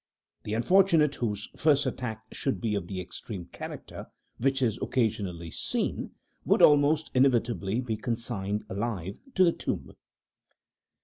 The unfortunate whose first attack should be of the extreme character which is occasionally seen, would almost inevitably be consigned alive to the tomb.